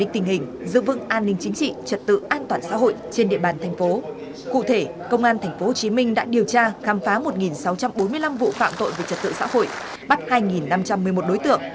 tình hình dự vựng an ninh chính trị trật tự an toàn xã hội trên địa bàn thành phố cụ thể công an tp hcm đã điều tra khám phá một sáu trăm bốn mươi năm vụ phạm tội về trật tự xã hội bắt hai năm trăm một mươi một đối tượng